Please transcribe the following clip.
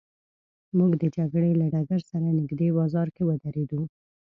موږ د جګړې له ډګر سره نږدې بازار کې ودرېدو.